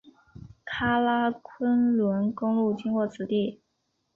喀喇昆仑公路经过此地。